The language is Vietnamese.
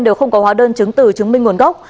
đều không có hóa đơn chứng từ chứng minh nguồn gốc